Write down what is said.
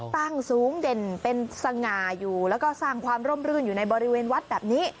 ตั้งสูงเด่นเป็นสง่าอยู่แล้วก็สร้างความร่มรื่นอยู่ในบริเวณวัดแบบนี้